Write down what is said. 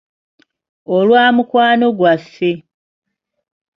Olwa mukwano gwaffe.